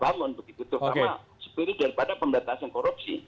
begitu terutama seperti daripada pemberantasan korupsi